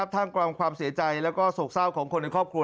ทั้งความเสียใจและก็ศพเศร้าของคนในครอบครัว